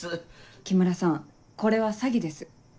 木村さんこれは詐欺です。